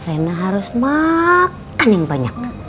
enak harus makan yang banyak